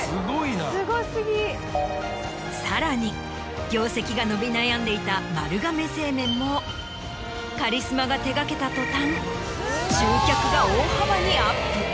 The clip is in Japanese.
さらに業績が伸び悩んでいた丸亀製麺もカリスマが手掛けた途端集客が大幅にアップ。